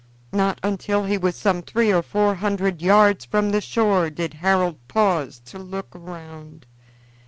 Not until he was some three or four hundred yards from the shore did Harold pause to look round.